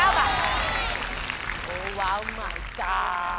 โอ้ว้าวหมายจ้า